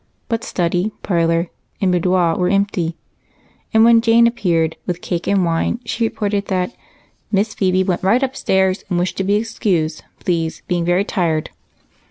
But study, parlor, and boudoir were empty; and, when Jane appeared with cake and wine, she reported that "Miss Phebe went right upstairs and wished to be excused, please, being very tired."